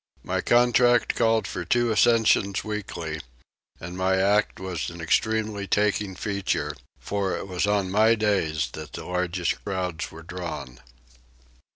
My contract called for two ascensions weekly, and my act was an especially taking feature, for it was on my days that the largest crowds were drawn.